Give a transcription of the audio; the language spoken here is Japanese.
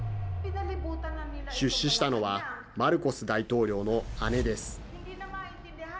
出資したのはマルコス大統領の姉です。